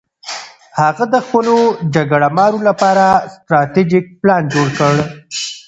هغه د خپلو جګړه مارو لپاره ستراتیژیک پلان جوړ کړ.